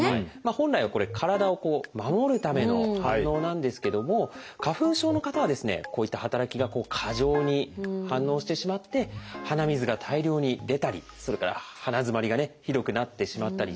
本来はこれ体を守るための反応なんですけども花粉症の方はですねこういった働きが過剰に反応してしまって鼻水が大量に出たりそれから鼻づまりがねひどくなってしまったりするんです。